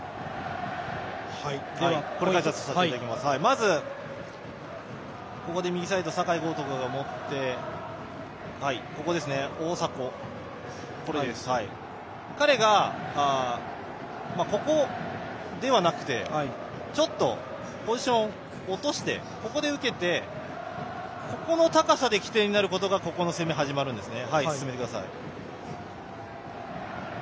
まず、ここで右サイド酒井高徳が持って大迫、彼が、ここではなくてちょっとポジションを落としてここで受けて、ここの高さで起点になることからこの攻めが始まるんですね。